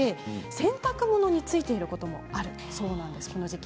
洗濯物についていることがあるそうです、この時期。